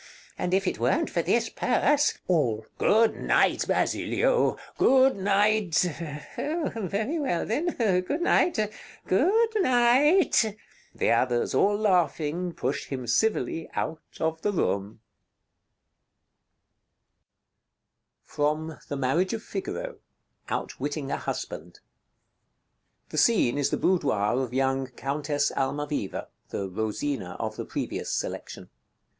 And if it weren't for this purse All Good night, Basilio, good night. Basilio [going] Very well, then; good night, good night. [The others, all laughing, push him civilly out of the room.] FROM 'THE MARRIAGE OF FIGARO' OUTWITTING A HUSBAND [The scene is the boudoir of young Countess Almaviva, the Rosina of the previous selection.